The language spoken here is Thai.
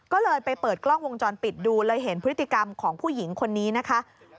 ก็เลยไปเปิดกล้องวงจรปิดดูเลยเห็นพฤติกรรมของผู้หญิงคนนี้นะคะ